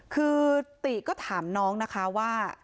คือติก็ถามน้องนะคะว่า